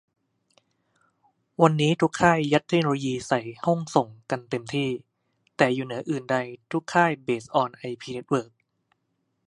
วันนี้ทุกค่ายัดเทคโนโลยีใส่ห้องส่งกันเต็มที่ แต่อยู่เหนืออื่นใดทุกค่ายเปสออนไอพีเน็ตเวิร์ก